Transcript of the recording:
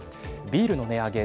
ビールの値上げ